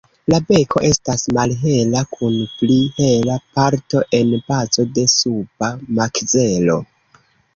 La beko estas malhela kun pli hela parto en bazo de suba makzelo.